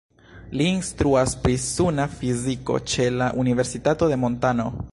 Li instruas pri suna fiziko ĉe la Universitato de Montano.